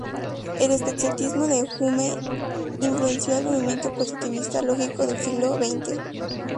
El escepticismo de Hume influenció el movimiento positivista lógico del siglo veinte.